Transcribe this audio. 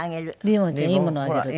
リボンちゃんいいものあげるって。